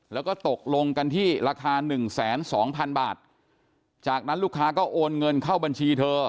แล้วก็ตกลงกันที่ราคาหนึ่งแสนสองพันบาทจากนั้นลูกค้าก็โอนเงินเข้าบัญชีเธอ